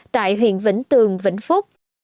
tại huyện vĩnh tường vĩnh phúc